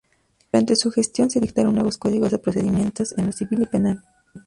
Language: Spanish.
Durante su gestión se dictaron nuevos códigos de procedimientos en lo civil y penal.